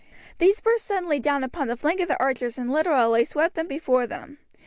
These burst suddenly down upon the flank of the archers and literally swept them before them.